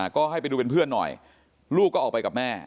ก็ให้ไปดูเป็นเพื่อนหน่อยลูกก็ออกไปกับแม่